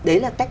đấy là cách